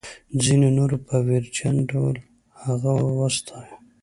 ځینو نورو په ویرجن ډول هغه وستایه.